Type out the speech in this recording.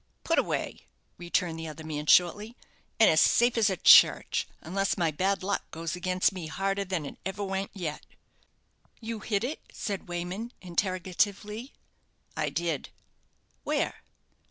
"Put away," returned the other man, shortly; "and as safe as a church, unless my bad luck goes against me harder than it ever went yet." "You hid it?" said Wayman, interrogatively. "I did." "Where?"